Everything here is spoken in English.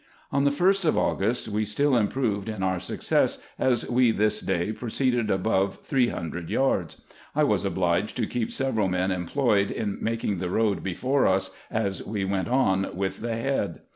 On the 1st of August we still improved in our success, as we this day proceeded above three hundred yards. I was obliged to keep several men employed in making the road before us, as we went on with the head.